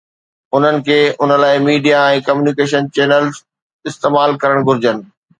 انهن کي ان لاءِ ميڊيا ۽ ڪميونيڪيشن چينلز استعمال ڪرڻ گهرجن.